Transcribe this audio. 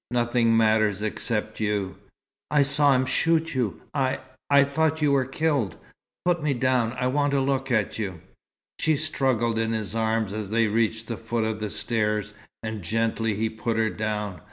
"Nothing matters except you." "I saw him shoot you. I I thought you were killed. Put me down. I want to look at you." She struggled in his arms, as they reached the foot of the stairs, and gently he put her down.